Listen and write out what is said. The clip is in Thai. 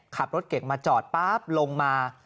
ขับรถเก่งมาจอดลงมา